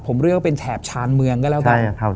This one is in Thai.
ผมเลือกเป็นแถบชานเมืองได้แล้วกัน